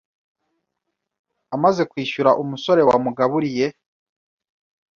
Amaze kwishyura umusore wamugaburiye